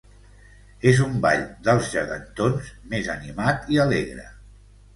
És un ball dels gegantons més animat i alegre.